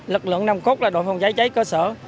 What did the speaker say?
lực lượng nằm cốt là đội phòng cháy cháy cơ sở